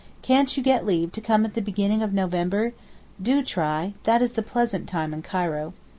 Can't you get leave to come at the beginning of November? Do try, that is the pleasant time in Cairo.